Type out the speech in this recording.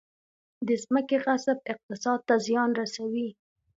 د ځمکې غصب اقتصاد ته زیان رسوي